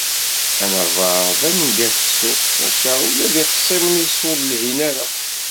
Anabaḍ d aneggafsu, maca ula d ixṣimen-is ur lhin ara.